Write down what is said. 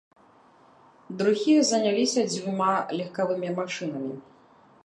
Другія заняліся дзвюма легкавымі машынамі.